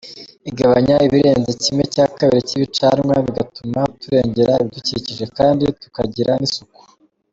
Igabanya ibirenze kimwe cya kabiri cy’ibicanwa bigatuma turengera ibidukikije kandi tukagira n’isuku.